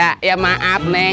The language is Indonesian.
ya ya maaf neng